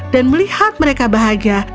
dan melihat mereka bahagia